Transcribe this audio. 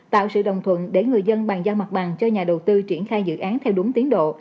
tạo sự đồng thuận để người dân bàn giao mặt bằng cho nhà đầu tư triển khai dự án theo đúng tiến độ